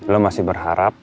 lo masih berharap